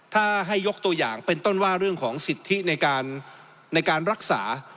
ถ้าให้ยกตัวอย่างเป็นต้นว่าเรื่องของสิทธิในการรักษา